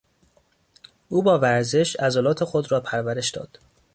او با ورزش عضلات خود را پرورش داد.